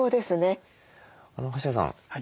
橋谷さん